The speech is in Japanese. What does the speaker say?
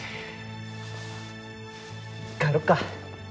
帰ろうか。